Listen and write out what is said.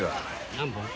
何本？